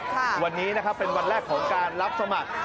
ค่ะวันนี้เป็นวันแรกของการรับสมัคร